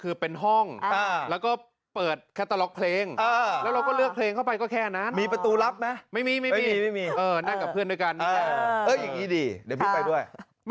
เอออย่างนี้ดีเดี๋ยวพี่ไปด้วย